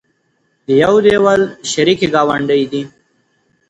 د يو دېول شریکې ګاونډۍ دي